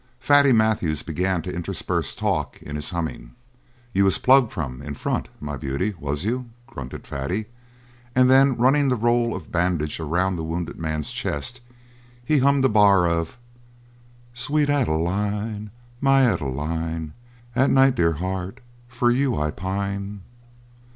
Fatty Matthews began to intersperse talk in his humming. "You was plugged from in front my beauty was you?" grunted Fatty, and then running the roll of bandage around the wounded man's chest he hummed a bar of: _"Sweet Adeline, my Adeline, At night, dear heart, for you I pine."